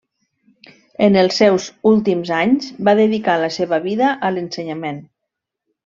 En els seus últims anys va dedicar la seva vida a l'ensenyament.